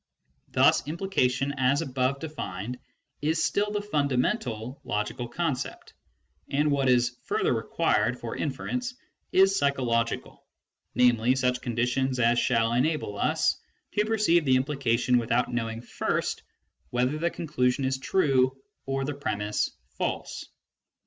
Thus implication as above defined is still the fundamental logical concept, and what is further required for inference is psychological, namely such conditions as shall enable us to perceive the implication without knowing first whether the conclusion is true or the premiss false.